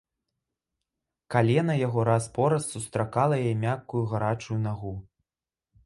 Калена яго раз-пораз сустракала яе мяккую гарачую нагу.